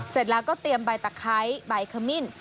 เสร็จแล้วก็เตรียมใบตะไคร้ใบขมิ้น